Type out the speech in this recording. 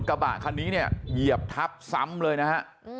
กระบะคันนี้เนี่ยเหยียบทับซ้ำเลยนะฮะ